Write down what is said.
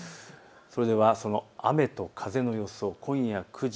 それではその雨と風の予想を。